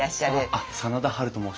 あっ真田ハルと申します。